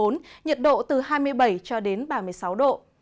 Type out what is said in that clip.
nhiệt độ từ hai mươi bảy cho đến ba mươi sáu độ